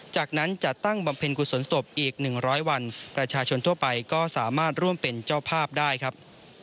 จากนั้นจะตั้งบำเพ็ญกุศลศพอีก๑๐๐วันประชาชนทั่วไปก็สามารถร่วมเป็นเจ้าภาพได้ครับ